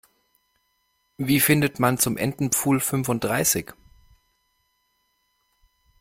Wie findet man zum Entenpfuhl fünfunddreißig?